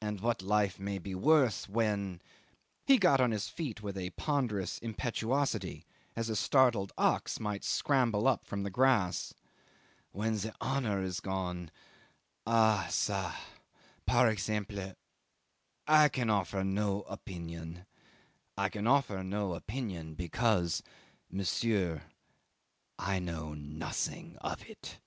And what life may be worth when" ... he got on his feet with a ponderous impetuosity, as a startled ox might scramble up from the grass ... "when the honour is gone ah ca! par exemple I can offer no opinion. I can offer no opinion because monsieur I know nothing of it."